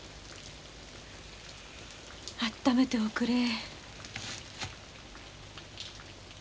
あっためておくれ。